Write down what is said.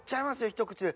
一口で。